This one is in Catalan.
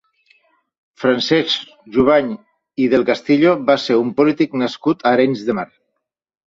Francesc Jubany i Del Castillo va ser un polític nascut a Arenys de Mar.